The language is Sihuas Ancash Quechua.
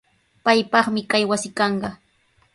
Paypaqmi kay wasi kanqa.